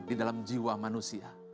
di dalam jiwa manusia